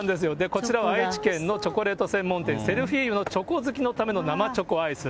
こちらは愛知県のチョコレート専門店、セルフィーユの、チョコ好きのための生チョコアイス。